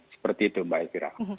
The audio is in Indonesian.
seperti itu mbak elvira